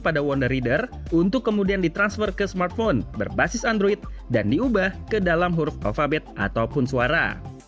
pada wonder reader untuk kemudian ditransfer ke smartphone berbasis android dan diubah ke dalam huruf alfabet ataupun suara